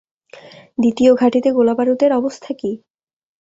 দ্বিতীয় ঘাঁটিতে গোলাবারুদের অবস্থা কী?